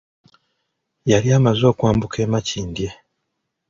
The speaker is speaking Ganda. Yali amaze okwambuka e Makindye